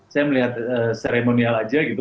saya melihat seremonial aja gitu